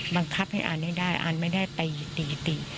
บังคับให้อ่านให้ได้อ่านไม่ได้ไปตีติ